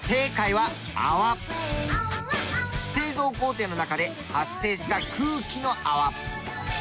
製造工程の中で発生した空気の泡。